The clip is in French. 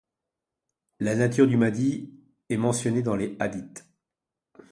La nature du Mahdi est mentionnée dans les hadîths.